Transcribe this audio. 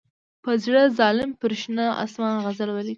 په زړه ظالم پر شنه آسمان غزل ولیکم.